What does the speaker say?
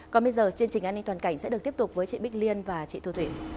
còn bây giờ chương trình an ninh toàn cảnh sẽ được tiếp tục với chị bích liên và chị thu thủy